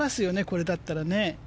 これだったらね。